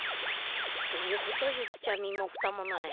そういうこと言っちゃ身もふたもない。